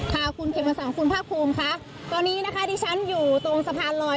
คุณผู้ชมคุณภาคภูมิค่ะตอนนี้นะคะที่ฉันอยู่ตรงสะพานลอย